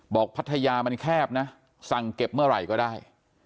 พัทยามันแคบนะสั่งเก็บเมื่อไหร่ก็ได้